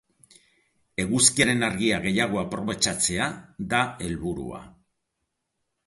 Eguzkiaren argia gehiago aprobetxatzea da helburua.